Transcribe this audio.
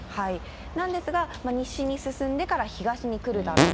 なんですが、西に進んでから東に来るだろうと。